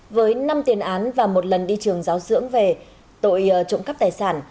với năm tiền án và một lần đi trường giáo dưỡng về tội trộm cắp tài sản